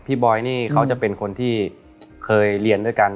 บอยนี่เขาจะเป็นคนที่เคยเรียนด้วยกัน